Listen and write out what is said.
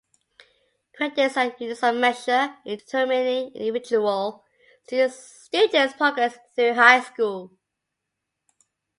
Credits are units of measure in determining an individual student's progress through High School.